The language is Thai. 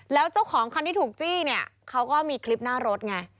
แล้วเจ้าของคันที่ถูกจี้เนี่ยเขาก็มีคลิปหน้ารถไง